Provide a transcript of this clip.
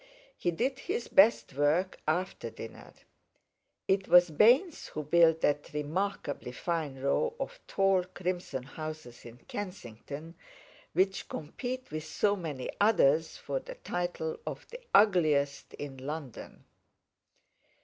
He did his best work after dinner. It was Baynes who built that remarkably fine row of tall crimson houses in Kensington which compete with so many others for the title of "the ugliest in London."